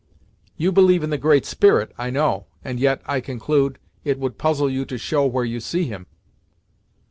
You believe in the Great Spirit, I know, and yet, I conclude, it would puzzle you to show where you see him!"